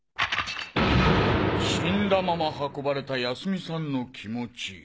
死んだまま運ばれた泰美さんの気持ち？